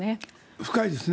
深いですね。